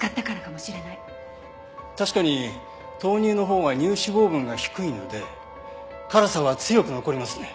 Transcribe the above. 確かに豆乳のほうが乳脂肪分が低いので辛さは強く残りますね。